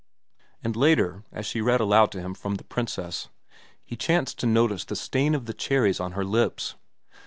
And later, as she read aloud to him from "The Princess," he chanced to notice the stain of the cherries on her lips.